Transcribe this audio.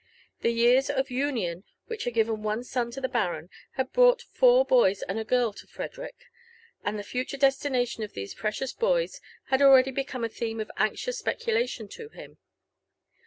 The years of union which had given one son to the baron, had brought four boys and a girl to Frederick ; and the future destination of these precious boys liad already become a theme of anxious speculation to him.